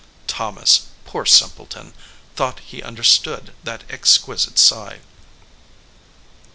Thomas, poor simpleton, thought he understood that exquisite sigh.